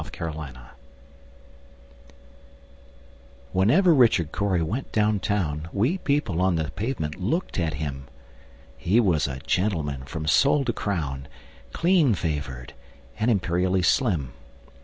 Richard Cory Whenever Richard Cory went down town, We people on the pavement looked at him: He was a gentleman from sole to crown, Clean favored, and imperially slim.